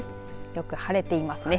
よく晴れていますね。